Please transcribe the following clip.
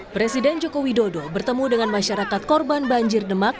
presiden joko widodo bertemu dengan masyarakat korban banjir demak